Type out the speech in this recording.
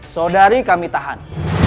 saudari kami tahan